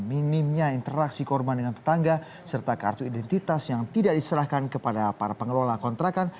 minimnya interaksi korban dengan tetangga serta kartu identitas yang tidak diserahkan kepada para pengelola kontrakan